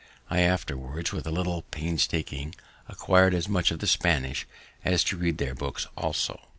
I afterwards with a little painstaking, acquir'd as much of the Spanish as to read their books also.